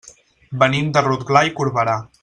Venim de Rotglà i Corberà.